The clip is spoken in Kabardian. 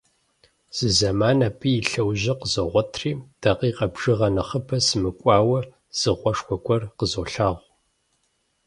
Зы зэман абы и лъэужьыр къызогъуэтри, дакъикъэ бжыгъэ нэхъыбэ сымыкӀуауэ, зы гъуэшхуэ гуэр къызолъагъу.